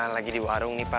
lagi di warung nih pak